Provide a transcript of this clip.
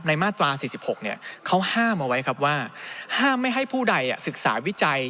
มาตรา๔๖เขาห้ามเอาไว้ครับว่าห้ามไม่ให้ผู้ใดศึกษาวิจัย